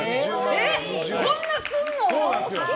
こんなにするの？